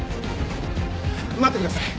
待ってください。